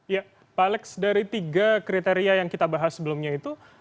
ya pak alex dari tiga kriteria yang kita bahas sebelumnya itu